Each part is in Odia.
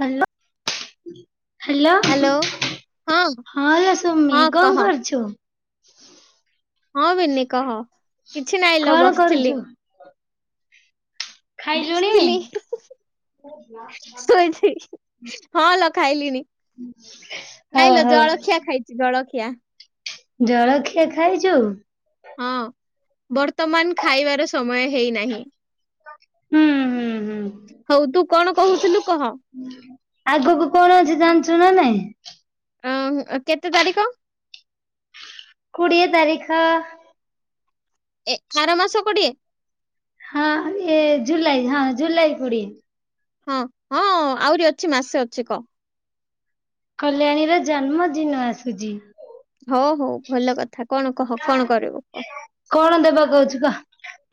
ହ୍ୟାଲୋ। ହ୍ୟାଲୋ ହଁ ହଁ ଲୋ ସୁୁମି ହଁ କଣ କହ କରୁଛୁ? ହଁ ବିନି କହ କିଛି ନାଇଁ ଲ କଣ କରୁଛୁ? ବସିଥିଲି। ଖାଇଲୁଣି? ବସିଥିଲି। ଶୋଇଥି ହଁ ଲ ଖାଇଲିଣି। ହଉ ନାଇଁ ଲ ହଉ ଜଳଖିଆ ଖାଇଛି ଜଳଖିଆ। ଜଳଖିଆ ଖାଇଛୁ? ହଁ ବର୍ତ୍ତମାନ ଖାଇବାର ସମୟ ହେଇନାହିଁ। ହୁଁ ହୁଁ ହୁଁ। ହଉ ତୁ କଣ କହୁଥିଲୁ କହ? ଆଗକୁ କଣ ଅଛି ଜାଣିଛୁ ନା ନାଇଁ? ଆଁ କେତେ ତାରିଖ? କୋଡ଼ିଏ ତାରିଖ। ଏ ଆର ମାସ କୋଡିଏ। ହଁ ଏ ଜୁଲାଇ ହଁ ଜୁଲାଇ କୋଡିଏ। ହଁ ହଁ ଆହୁରି ଅଛି ମାସେ ଅଛି କଅ। କଲ୍ୟାଣୀର ଜନ୍ମଦିନ ଆସୁଛି। ହଉ ହଉ ଭଲ କଥା କଣ କହ କଣ କରିବୁ କହ? କଣ ଦେବା କହୁଛୁ କହ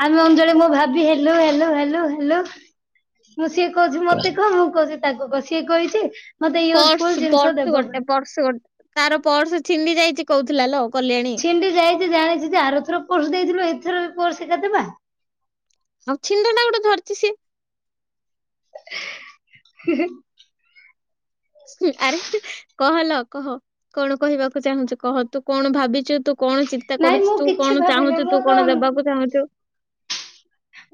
ଆମେ ଅଞ୍ଜଳୀ ମୁଁ ଭାବି ହେଲୁ ହେଲୁ ହେଲୁ ହେଲୁ। ମୁଁ ସିଏ କହୁଛି ମତେ କହ ମୁଁ କହୁଛି ତାକୁ କହ ସିଏ କହିଛି ମତେ ୟୁଜଫୁଲ ପର୍ସ ଜିନିଷ ଦେବ ପର୍ସ ବୋଲି। ଗୋଟେ ପର୍ସ ଗୋଟେ ତାର ପର୍ସ ଛିଣ୍ଡି ଯାଇଛି କହୁଥିଲା ଲ କଲ୍ୟାଣୀ। ଛିଣ୍ଡି ଯାଇଛି ଜାଣିଛି ଯେ ଆରଥର ପର୍ସ ଦେଇଥିଲୁ ଏଥର ପର୍ସ ଏକା ଦେବା। ଆଉ ଛିଣ୍ଡ ଟା ଗୋଟେ ଧରିଛି ସେ। ହୁଁଁ। ଆରେ କହଲ କହ କଣ କହିବାକୁ ଚାହୁଁଛୁ କହ ତୁ କଣ ଭାବିଛୁ ତୁ କଣ ଚିନ୍ତା ନାଇଁ କରୁଛୁ ମୁଁ ତୁ କିଛି କଣ ଭାବିନି ଚାହୁଁଛୁ ମୁଁ ତୁ ତ କଣ ଦେବାକୁ ଚାହୁଁଛୁ?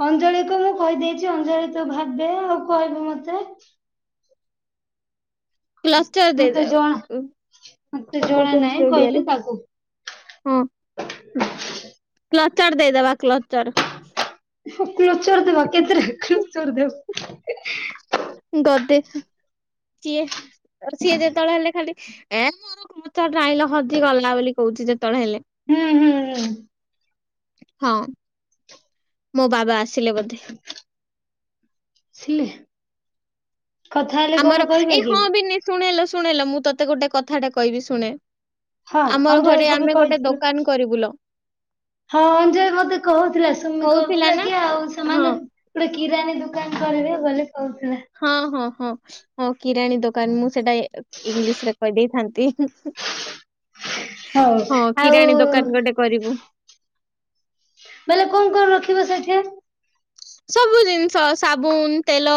ଅଞ୍ଜଳିକୁ ମୁଁ କହିଦେଇଛି ଅଞ୍ଜଳି ତୁ ଭାବେ ଆଉ କହିବୁ ମତେ। କ୍ଲଚର ଦେଇ ମତେ ଜଣା ଦେବା ମତେ କଣ ଜଣା ନାହିଁ କହୁଚନ୍ତି କହିଲି ଓଡ଼ିଆରେ? ତାକୁ ହଁ କ୍ଲଚର୍ ଦେଇଦବା କ୍ଲଚର୍। ହ କ୍ଲୋଚର ଦେବା କେତେଟା କ୍ଲୋଚର ଦେବା। ଗଦେ କିଏ? ତ ସିଏ ଯେତେବେଳେ ହେଲେ ଖାଲି ଏ ମୋର [inaudible] ହଜିଗଲା ବୋଲି କହୁଛି ଯେତେବେଳେ ହେଲେ। ହୁଁ ହୁଁ। ହୁଁ ହଁ ମୋ ବାବା ଆସିଲେ ବୋଧେ। [unintelligible] ସି କଥା ହେଲେ କଣ କହିବେ କି? ଶୁଣେଲ ଶୁଣେଲ ମୁଁ ତୋତେ ଗୋଟେ କଥାଟା କହିବି ଶୁଣେ। ହଁ ଆମର ଘରେ ଅଞ୍ଜଳି କୁ ବି ଆମେ ଗୋଟେ କହିଥିଲୁ। ଦୋକାନ କରିବୁଲୋ ହଁ ଯେ ମତେ କୋହୁଥିଲା ସୁମି କହୁଥିଲା କୋହୁଥିଲା ନା କି ଆଉ ହଁ ସେମାନେ ଗୋଟେ କିରାଣୀ ଦୁକାନ କରିବେ ବୋଲି କୋହୁଥିଲା। ହଁ ହଁ ହଁ ହଁ କିରାଣୀ ଦୋ କାନ ମୁଁ ସେଟା ଇ-ଇଂଲିଶରେ କହିଦେଇଥାନ୍ତି। ହଉ ହଁ କିରାଣୀ ଆଉ ଦୋକାନ ଗୋଟେ କରିବୁ। ବୋଇଲେ କଣ କଣ ରଖିବ ସେଠି? ସବୁ ଜିନିଷ ସାବୁନ, ତେଲ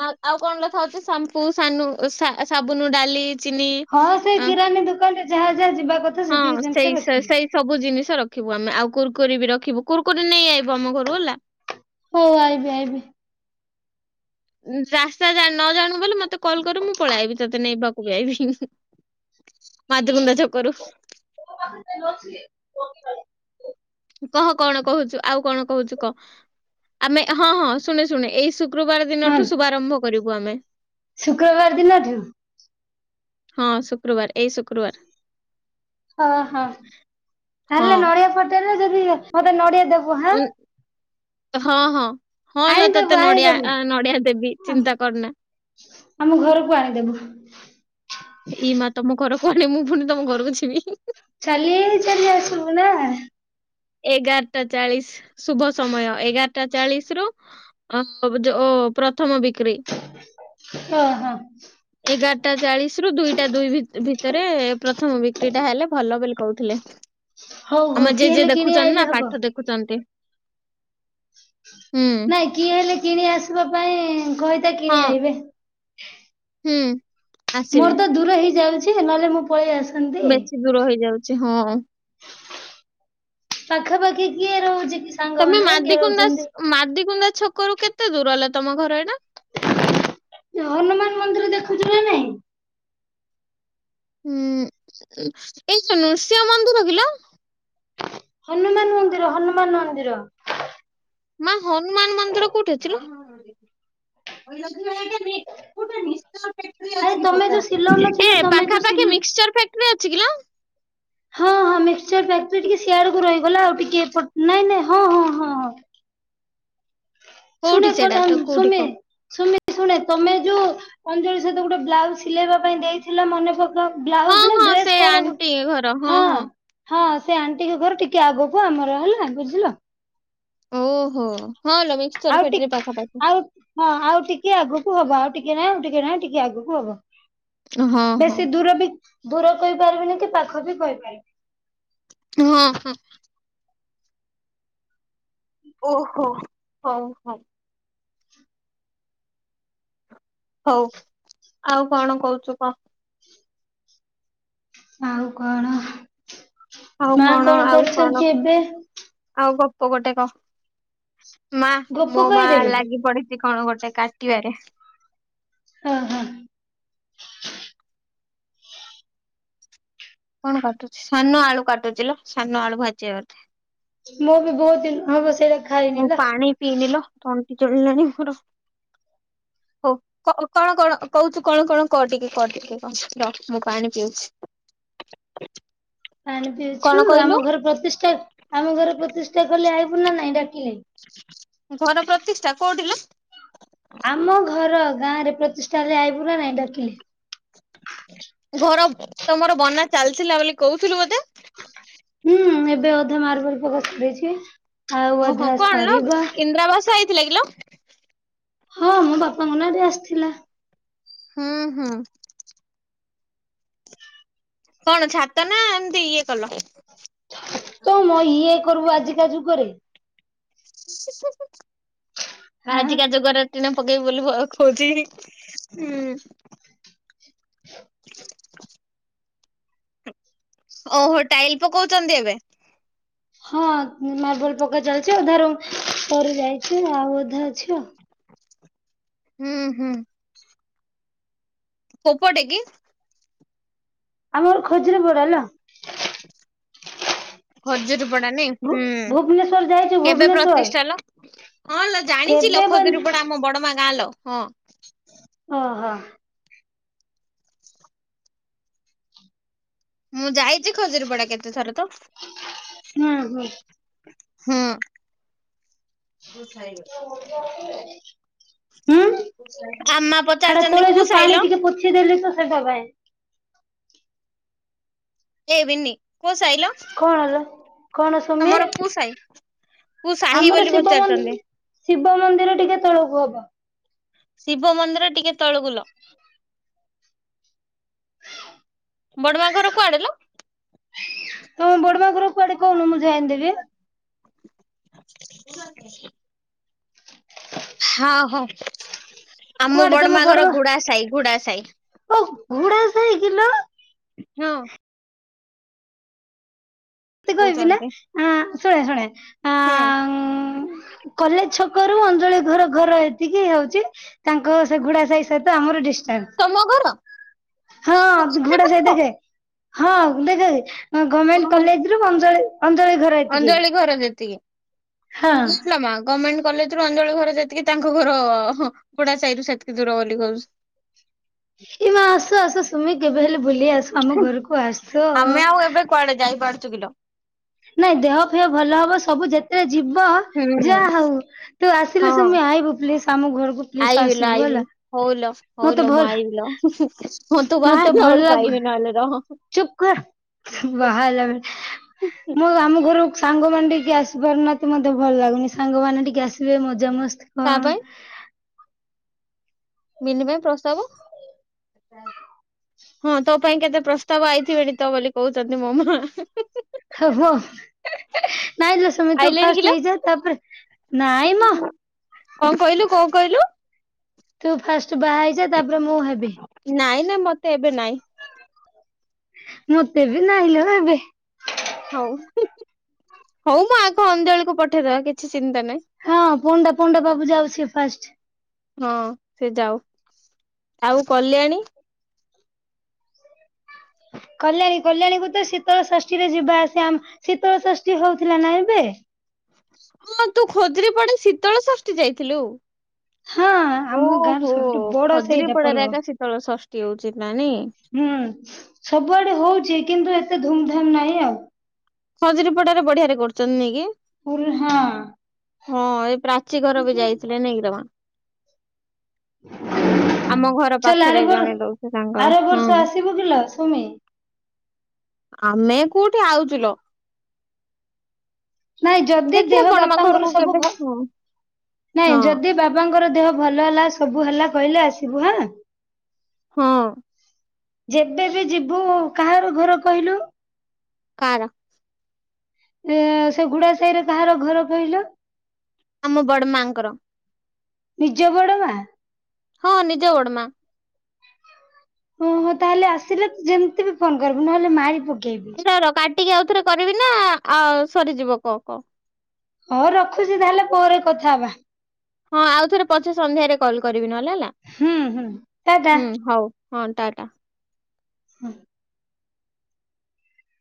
ମା ଆଉ କଣ ରଖା ହୋଉଚି ସାମ୍ପୁ ସାନୁ ସା-ସାବୁନ, ଡାଲି ଚିନି ହଁ ସେଇ ଅ, କିରାଣୀ ଦୁକାନରେ ଯାହା ଯାହା ଯିବା କ ହଁ ସେଇ ସେଇ ସେଇ ସ ବୁ ଜିନିଷ ରଖିବୁ ଆମେ ଆଉ କୁୁରକୁରି ବି ରଖିବୁ କୁୁରକୁରି ନେଇ ଆଇବୁ ଆମ ଘରୁ ହେଲା। ହୋଉ ଆଇବି ଆଇବି। ରାସ୍ତା ଜାଣି ନ ଜାଣୁବୁ ବୋଲି ମତେ କଲ୍ କରିବୁ। ମୁଁ ପଳେଆଇବି ତତେ ନେବାକୁ ବି ଆଇବି। ମାଧବୁନ୍ଦା ଚକରୁ [unintelligible] କହ କଣ କୋହୁଚୁ ଆଉ କଣ କୋହୁଚୁ କହ। ଆମେ ହଁ ହଁ ଶୁଣେ ଶୁଣେ ଏଇ ଶୁ କ୍ରବାର ହଁ ଦିନଠୁ ଶୁଭାରମ୍ଭ କରିବୁ ଆମେ। ଶୁକ୍ରବାର ଦିନଠୁ? ହଁ ଶୁକ୍ରବାର ଏଇ ଶୁକ୍ରବାର। ଓହୋ ତାହେଲେ ହଁ। ନଡିଆ ଫଟେଇଲେ ଯଦି ମତେ ନଡିଆ ଦୋବୁ। ଉଁ ହଁ ହଁ। ହଁ ଲୋ ଆଣିଦବୁ ତତେ ନଡିଆ ଆଣିଦବୁ। ଆ ନଡିଆ ଦେବି ଚିନ୍ତା କରନା। ଆମ ଘରକୁ ଆଣିଦେବୁ। ଏଇ ମା ତମ ଘର କୁହଡେ। ମୁଁ ଫୁଣି ତମ ଘରକୁ ଯିବି। ତୁ ନା ଏଗାରଟା ଚାଳିଶ ଶୁଭ ସମୟ ଏଗାରଟା ଚାଳିଶରୁ ଓ ଓ [unintelligible] ପ୍ରଥମ ବିକ୍ରି ହଁ ହଁ। ଏଗାରଟା ଚାଳି ଶର ଦୁଇଟା ଦୁଇ ଭି-ଭିତରେ ପ୍ରଥମ ବିକ୍ରିଟା ହେଲେ ଭଲ ବୋଲି କୋହୁଥିଲେ। ହୋଉ ହୋଉ କିଏ ହେଲେ କିଣି ଆଇଲେ ହବ। ଦେଖୁଚନ୍ତି ହୁଁ। ଏ କିଏ ହେଲେ କିଣି ଆସିବା ପାଇଁ କହିତା ହଁ, କିଣି ଆଇବେ। ହୁଁ। ଆସିବେ। ମୋର ତ ଦୂର ହେଇ ଯାଉଚି ନହେଲେ ମୁଁ ପଳେଇ ଆସନ୍ତି। ବେଶୀ ଦୂର ହେଇଯାଉଚି ହଁ। ପାଖାପାଖି କିଏ ରହୁଚି କି ସାଙ୍ଗ ତମେ ମାନ କିଏ ମାଦିକୁନ୍ଦା ରହୁଚନ୍ତି? ସ- ମାଦିକୁନ୍ଦା ଛକରୁ କେତେ ଦୂର ହେଲା ତମ ଘର ଏଇଟା? ହନୁମାନ ମନ୍ଦିର ଦେଖୁଚୁ ନା ନାଇଁ? ହୁଁ ଏଇ ନୃସିିଂହ ମନ୍ଦିର କିଲୋ। ହନୁମାନ ମନ୍ଦିର ହନୁମାନ ମନ୍ଦିର। ମା ହନୁମାନ ମନ୍ଦିର କୋଉଠି ଅଛିଲୋ। ଆରେ ତମେ ଯୋଉ ଶିଲଂ ନଥିଲ [unintelligible] ଏ ତମେ ଯୋଉ ଶିଲ ପାଖାପାଖି ମିକ୍ସିଚର ଫ୍ୟାକଟେରି ଅଛି କିଲୋ? ହଁ ହଁ ମିକ୍ସଚର ଫ୍ୟାକଟେରି ଟିକେ ସିଆଡକୁ ରହିଗଲା ଆଉ ଟିକେ ଏପଟ ନାଇଁ ନାଇଁ ହଁ ହଁ ହଁ ହଁ। ଶୁଣ କୋଉଠି ସେଟା ଏପଟ ତ [unintelligible] କୋଉଠି ସୁମି କହ ଶୁଣେ ଶୁଣେ ତମେ ଯୋଉ ଅଞ୍ଜଳି ସହିତ ଗୋଟେ ବ୍ଲାଉଜ ସିଲେଇବା ପାଇଁ ଦେଇଥିଲା ମନେ ପକ କ୍ ହଁ ବ୍ଲାଉଜ ନା ହଁ ସେ ଡ୍ରେସ୍ କଣ ହଁ। ଆଣ୍ଟି ଘର ହଁ ହଁ ହଁ ସେ ଆଣ୍ଟିଙ୍କ ଘର ଟିକେ ଆଗକୁ ଆମର ହେଲା ବୁଝିଲ। ଓହୋ ହଁ ଲୋ ମିସ୍ ଆଉି ଟିକ ଟିକେ ଆଉ ହଁ ଆଉ ଟିକେ ଆଗକୁ ହବ ଆଉ ଟିକେ ନାହିଁ ଆଉ ଟିକେ ନାହିଁ ଟିକେ ଆଗକୁ ହବ। ହଁ ହଁ ବେଶୀ ଦୂର ବି ଦୂର କହିପାରିବିନି କି ପାଖ ବି କହିପାରିବିନି। ହଁ ହଁ। ଓହୋ ହଉ ହଉ। ହଉ ଆଉ କଣ କହୁଛୁ କହ? ଆଉ କଣ ଆଉ ମା କଣ ଆଉ କଣ କରୁଛନ୍ତି ଏବେ? ଆଉ ଗପ ଗୋଟେ କହ ମା ଗୋପ ମୋ ମା କହିଦେବି ଲାଗିପଡି କଣ ଗୋଟେ କାଟିବାରେ। ହ ହଁ। କଣ କାଟୁଛି ସାନ ଆଳୁ କାଟୁଛି ସାନ ଆଳୁ ଭାଜିିବ ବୋଧେ। ମୁଁ ବି ବହୁତ ଦିନ ହଁବ ସେଇଟା ଖାଇନି ମୁଁ ଲୋ। ପାଣି ପିଇନି ଲୋ ତଣ୍ଟି ଜଳିଲାଣି ମୋର ହଉ। କଣ କଣ କହୁଛୁ କଣ କଣ କହ ଟିକେ କହ ଟିକେ କହ ରହ ମୁଁ ପାଣି ପିଉଛି। ପାଣି ପିଉଛୁ କଣ ଆମ କହିଲୁ ଘର ପ୍ରତିଷ୍ଠା ଆମ ଘର ପ୍ରତିଷ୍ଠା କଲେ ଆଇବୁ ନା ନାଇଁ ଡାକିଲେ? ଘର ପ୍ରତିଷ୍ଠା କୋଉଠିଲୋ? ଆମ ଘର ଗାଁ ରେ ପ୍ରତିଷ୍ଠା ହେଲେ ଆଇବୁ ନା ନାଇଁ ଡାକିଲେ? ଘର ତମର ବନା ଚାଲିଥିଲା ବୋଲି କହୁଥିଲୁ ବୋଧେ। ହୁଁ ଏବେ ଅଧେ ମାର୍ବଲ ପକା ଦେଇଛି। ଓହୋ କଣ ଲୋ ଇନ୍ଦିରା ଆବାସ ଆଇଥିଲା କିିଲୋ। ହଁ ମୋ ବାପାଙ୍କ ନାଁରେ ଆସିଥିଲା। ହଁ ହଁ। କଣ ଛାତ ନା ଏମିତି ଇଏ କଲ? ତ ମ ଇଏ କରିବୁ ଆଜିକା ଯୁଗରେ। ହାଁ ଆଜିକା ଯୁଗର ଟିଣ ପକେଇବୁ ବୋଲି ଭ କହୁଛି ହୁଁ। ଓହୋ ଟାଇଲ ପକଉଛନ୍ତି ଏବେ? ହଁ ମାର୍ବଲ ପକା ଚାଲିଛି ଅଧାରୁ ସରିଯାଇଛି ଆଉ ଅଧା ଅଛି। ହୁଁ ହୁଁ। ପୋକଟେ କି? ଆମ ଘର ଖଜୁରପଡା ଲୋ। ଖଜୁରିପଡ଼ା ନୁହେଁ ଭୁ ହୁଁ। ଭୁବନେଶ୍ଵର ଯାଇଛୁ କେବେ ଭୁବନେଶ୍ଵର ପ୍ରତିଷ୍ଠା ଲୋ ହଁ ଲୋ ଜାଣିଚି ଲୋ କେବେ ବଲ ଖଦଜୁରିପଡା ଆମ ବଡମା ଗାଁ ଲୋ ହଁ। ଓହୋ। ମୁଁ ଯାଇଛି ଖଜୁରପଡା କେତେ ଥର ତ। ହୁଁ ହୁଁ। ହୁଁ। ହ ହୁଁ ଆମା ଛଡା ପଚାରିଚନ୍ତି ତଳେ କୋଉ ଯୋଉ ସାଇ ପାଣି ଲୋ? ଟିକେ ପୋଛିଦେଲି ତ ସେଇଟା ପାଇଁ। ଏ ବିନି କୋଉ ସାଇଲୋ? କଣ ହେଲା କଣ ଶୁମି ସାଇ? କୋଉ ସାହି ଆମର ବୋଲି ଶିବ ମନ୍ଦି ପଚାରିଚନ୍ତି ଶିବ ମନ୍ଦିର ଟିକେ ତଳକୁ ହବ। ଶିବ ମନ୍ଦିର ଟିକେ ତଳକୁ ଓଲ୍ହ ବଡ ମା ଘର କୁଆଡେ ଲୋ? ତମ ବଡମା ଘର କୁଆଡେ କହୁନୁ ମୁଁ ଯାଇଁଦେବି ହଁ ହଁ ଆମ କୁଆଡେ ତମ ବଡମା ଘର ଘୁଡା ସାହି ଘୁଡା ସାହି। ଓ ଘୋଡା ସାହି କିଲୋ? ହଁ। ତି କହିବି ନା ଦଉଚନ୍ତି ଆଁ ଶୁଣେ ଶୁଣେ ଆ ହୁଁ କଲେଜ ଛକରୁୁ ଅଞ୍ଜଳି ଘର ଘର ଏତିକି ହଉଚି ତାଙ୍କ ସେ ଘୁଡା ସାହି ସହିତ ଆମର ଡିସଷ୍ଟାନ୍ସ ତମ ଘର ହଁ ଏତେ ଘୁଡା ସାହି ପାଖ ଦେଖେ ହଁ ଦେଖ ହଁ ଗମେଣ୍ଟ ହଁ କଲେଜ ରୁ ଅଞ୍ଜଳି ଅଞ୍ଜଳି ଘର ଏତିକି ଅଞ୍ଜଳି ଘର ଯେତିକି ହଁ କିିଲ ମା ଗମେଣ୍ଟ କଲେଜରୁୁ ଅଞଳୀ ଘର ଯେତିକି ତାଙ୍କ ଘର ଘୋଡା ସାହି ସେତିକି ଦୂର ବୋଲି କହୁଚୁ। ଏଇ ମା ଆସ ଆସ ସୁମି କେବେ ହେଲେ ବୁଲି ଆସ ଆମ ଘରକୁ ଆସ। ଆମେ ଆଉ ଏବେ କୁଆଡେ ଯାଇ ପାରୁୁଚୁ କିଲୋ ନାଇଁ ଦେହ ଫେହ ଭଲ ହବ ସବୁ ଯେତେବେଳେ ଯିବ ହୁଁ ଯାହା ହଉ ତୁ ଆସିଲେ ହଁ ସୁମି ଆଇବୁ ପ୍ଲିଜ ଆମ ଘରକୁ ପ୍ଲିଜ ଆସିବୁ ହେଲା। ହଉଲ ମତେ ହଉଲ ମୁଁ ଭଲ ଆଇବିିଲୋ ମୁଁ ତୁ ବାହାହେଲା ବେଳକୁ ଆଇବି ନହେଲେ ରହ। ଚୁପ କର ବାହାହେଲା ବେଳେ ମୁଁ ଆମ ଘରୁ ସାଙ୍ଗ ମନେ ଟିକେ ଆସିପାରୁନାହାନ୍ତି ମୋତେ ଭଲ ଲାଗୁନି ସାଙ୍ଗମାନେ ଟିକେ ଆସିବେ ମଜାମସ୍ କା ପାଇଁ? ମିନି ପାଇଁ ପ୍ରସ୍ତାବ ହଁ ତୋ ପାଇଁ କେତେ ପ୍ରସ୍ତାବ ଆଇଥିବେଣି ତ ବୋଲି କହୁଚନ୍ତି ମୋ ମା। ଓ ହ ନାଇଁ ଲୋ ସୁମି ତୁ ଆଇଲେଣି ଫାଷ୍ଟ କିଲୋ ହେଇଯା ତାପରେ ନାଇଁ ମ କଣ କହିଲୁ କଣ କହିଲୁ ତୁ ଫାଷ୍ଟ ବାହା ହେଇଯା ତାପରେ ମୁଁ ହେବି। ନାଇଁ ନାଇଁ ମତେ ଏବେ ନାଇଁ ମତେ ବି ନାଇଁ ଲୋ ଏବେ ହଉ ହଉ ମୁଁ ଆଗ ଅଞ୍ଜଳିକୁ ପଠେଇଦବା କିଛି ଚିନ୍ତା ନାହିଁ। ହଁ ପଣ୍ଡା ପଣ୍ଡା ବାବୁ ଯାଉଚି ଫାଷ୍ଟ। ହଁ ସେ ଯାଉ ଆଉ କଲ୍ୟାଣି? କଲ୍ୟାଣୀ କଲ୍ୟାଣୀକୁୁ ତ ଶୀତଳ ଷଷ୍ଠୀ ରେ ଯିବା ଆସିବା ଆମ ଶୀତଳ ଷଷ୍ଠୀ ହଉଥିଲା ନା ଏବେ? ହଁ ତୁ ଖୋଜୁରି ପଡ଼ା ଶୀତଳଷଷ୍ଠୀ ଯାଇଥିଲୁ? ହଁ ଆମ ଗାଁର ଓହୋ ସବୁଠୁ ବଡ ଖଜୁରୀ ସେଇଟା ପର୍ବ ପଡାରେ ଏକା ଶୀତଳ ଷଷ୍ଠୀ ହଉଛି ନା ନି। ହୁଁ ସବୁଆଡେ ହଉଚି କିନ୍ତୁ ଏତେ ଧୁମ୍‌ଧାମ୍ ନାହିଁ ଆଉ। ଖଜୁରୀପଡା ରେ ବଢିଆରେ କରୁଛନ୍ତି ନେ କି? ଓୁଲ୍ ହାଁ। ହଁ ଏଇ ପ୍ରାଚୀ ଘର ବି ଯାଇଥିଲେ ନାଇଁ କି ରମା। ଆମ ଘର ଚାଲ ଆର ପାଖରେ ବର ଜଣେ ରହୁଚି ତାଙ୍କର ଆର ହଁ। ବର୍ଷ ଆସିବୁ କିଲୋ ସୁମି ଆମେ କୋଉଠି ଆଉଚୁଲ। ନାଇଁ ଯଦି ଦେଖିବା ଦେହ ବଡମା ବାପାଙ୍କର ଘରକୁ ସବୁ କେବେ ଭ୍ ହଁ ନାଇଁ ହଁ ଯଦି ବା ବାପାଙ୍କର ଦେହ ଭଲ ହେଲା ସବୁ ହେଲା କହିଲେ ଆସିବୁ ହାଁ। ହଁ। ଯେବେ ବି ଯିବୁ କାହାର ଘର କହିଲୁ? କାଆର। ଏ ସେ ଗୁଡା ସାହିରେ କାହାର ଘର କହିଲ? ଆମ ବଡ ମାଆଙ୍କର। ନିଜ ବଡ ମା।? ହଁ ନିଜ ବଡମା। ହଁ ହ ତାହେଲେ ଆସିଲେ ଯେମ୍ ତି ବି ଫୋନ କରିବୁ ନହେଲେ ମାରି ପକେଇବି। ତୋର କାଟିକି ଆଉଥରେ କରିବି ନା ଆଉ ସରିଯିବ କ କ ଅ ରଖୁଛି ତାହେଲେ ପରେ କଥା ହବା। ହଁ ଆଉ ଥରେ ପଛେ ସନ୍ଧ୍ୟାରେ କଲ କରିବିି ନଲେ ହେଲା ହୁଁ ହୁଁ ଟା ଟା। ହୁଁ ହଉ। ହଁ ଟାଟା। ହଁ।